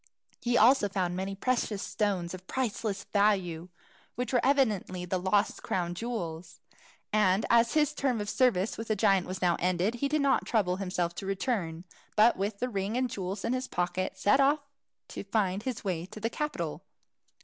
He also found many precious stones of priceless value, which were evidently the lost crown jewels. And as his term of service with the giant was now ended, he did not trouble himself to return, but with the ring and the jewels in his pocket set off to find his way to the capital.